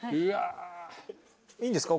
いいんですか？